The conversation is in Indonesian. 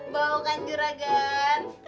bau kan juragan